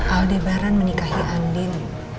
aldebaran menikahi andien